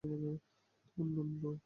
তোমার নাম লোলা?